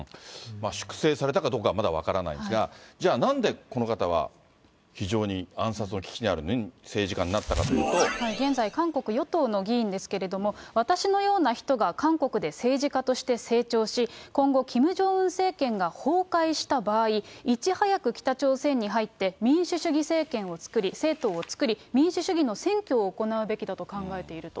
粛清されたかどうかはまだ分からないんですが、じゃあ、なんでこの方は非常に暗殺の危機にあるのに政治家になったかとい現在、韓国与党の議員ですけれども、私のような人が、韓国で政治家として成長し、今後、キム・ジョンウン政権が崩壊した場合、いち早く北朝鮮に入って、民主主義政権を作り、政党を作り、民主主義の選挙を行うべきだと考えていると。